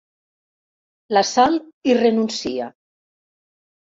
La Sal hi renuncia.